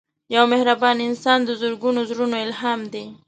یو مهربان انسان د زرګونو زړونو الهام دی